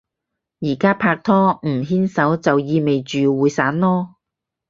而家拍拖，唔牽手就意味住會散囉